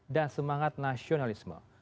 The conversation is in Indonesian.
dan semangat nasionalisme